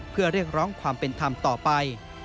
เพื่อเรียกร้องความเป็นธรรมต่อไป